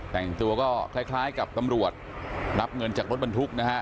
แต่งตัวก็คล้ายกับตำรวจรับเงินจากรถบรรทุกนะฮะ